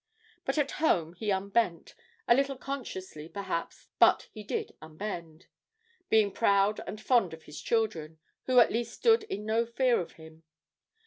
But at home he unbent, a little consciously, perhaps, but he did unbend being proud and fond of his children, who at least stood in no fear of him.